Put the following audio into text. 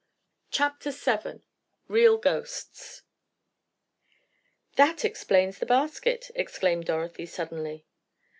CHAPTER VII REAL GHOSTS "That explains the basket!" exclaimed Dorothy, suddenly.